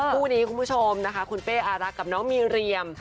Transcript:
คู่นี้คุณผู้ชมนะคะคุณเป้อารักกับน้องมีเรียม